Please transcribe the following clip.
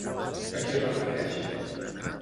A qui es refereix?